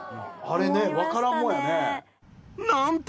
あれね分からんもんやね。